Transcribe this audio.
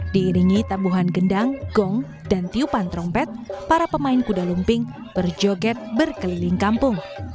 diiringi tabuhan gendang gong dan tiupan trompet para pemain kuda lumping berjoget berkeliling kampung